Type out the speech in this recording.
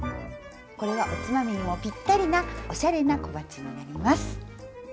これはおつまみにもぴったりなおしゃれな小鉢になります。